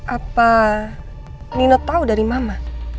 apa nino tahu dari mama